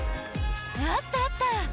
あったあった！